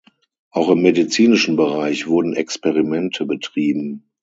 Auch im medizinischen Bereich wurden Experimente betrieben.